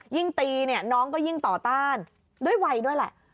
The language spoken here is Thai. ยิ่งตีเนี่ยน้องก็ยิ่งต่อต้านด้วยวัยด้วยแหละ